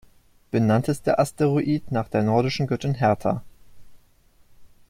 Benannt ist der Asteroid nach der nordischen Göttin Hertha.